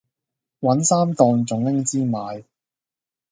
搵衫當仲拎氈賣